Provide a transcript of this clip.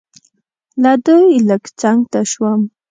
له دوی لږ څنګ ته شوم.